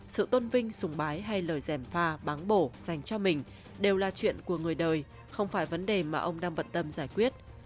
sự tôn vinh sùng bái hay lời dèm pha báng bổ dành cho mình đều là chuyện của người đời không phải vấn đề mà ông đang vật tâm giải quyết